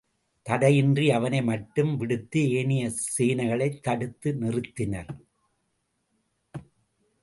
தடையின்றி அவனை மட்டும் விடுத்து ஏனைய சேனைகளைத் தடுத்து நிறுத்தினர்.